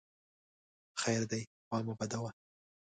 خیر دی خوا مه بدوه !